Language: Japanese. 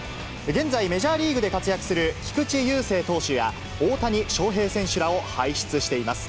現在、メジャーリーグで活躍する菊池雄星投手や大谷翔平選手らを排出しています。